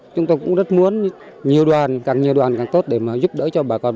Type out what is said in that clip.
chúng tôi cũng rất muốn nhiều đoàn càng nhiều đoàn càng tốt để mà giúp đỡ cho bà con